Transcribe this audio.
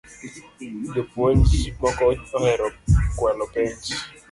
Jopuonj moko ohero kualo penj